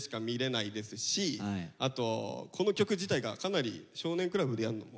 あとこの曲自体がかなり「少年倶楽部」でやんのも。